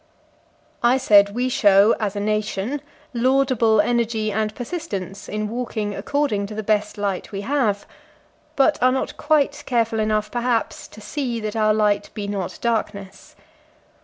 I said we show, as a nation, laudable energy and persistence in walking according to the best light we have, but are not quite careful enough, perhaps, to see that our light be not darkness.